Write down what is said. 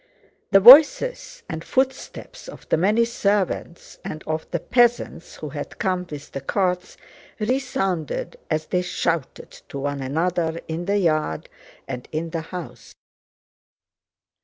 The voices and footsteps of the many servants and of the peasants who had come with the carts resounded as they shouted to one another in the yard and in the house.